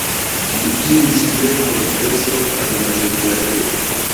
Ĝi utilis kiel fortreso kaj malliberejo.